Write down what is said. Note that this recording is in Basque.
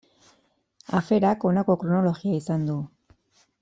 Aferak honako kronologia izan du.